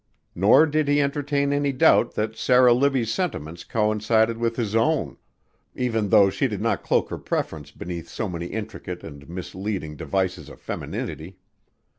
Nor did he entertain any doubt that Sarah Libbie's sentiments coincided with his own, even though she did cloak her preference beneath so many intricate and misleading devices of femininity.